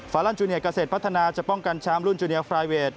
ลันจูเนียเกษตรพัฒนาจะป้องกันแชมป์รุ่นจูเนียฟรายเวท